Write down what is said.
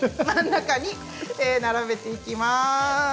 中に並べていきます。